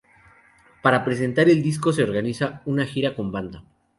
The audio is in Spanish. Para presentar el disco se organiza una gira con banda.